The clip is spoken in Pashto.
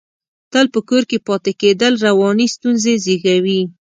تل په کور کې پاتې کېدل، رواني ستونزې زېږوي.